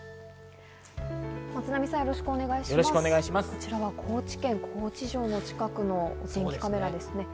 こちらは高知県高知城の近くのお天気カメラです。